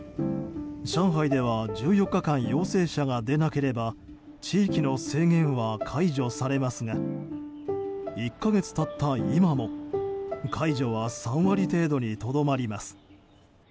上海では１４日間陽性者が出なければ地域の制限は解除されますが１か月経った今も解除は３割程度にとどまります。